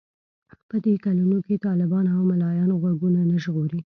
په دې کلونو کې طالبان او ملايان غوږونه نه ژغوري.